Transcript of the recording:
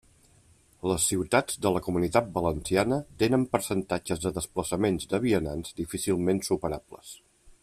Les ciutats de la Comunitat Valenciana tenen percentatges de desplaçaments de vianants difícilment superables.